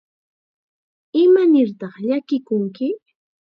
¿Imanirtaq llakikunki?